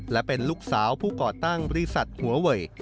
และเป็นลูกสาวผู้ก่อตั้งบริษัทหัวเวย